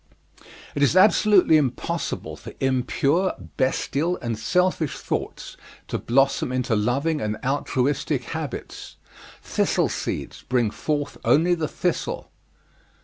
It is absolutely impossible for impure, bestial and selfish thoughts to blossom into loving and altruistic habits. Thistle seeds bring forth only the thistle.